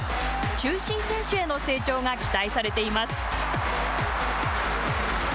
中心選手への成長が期待されています。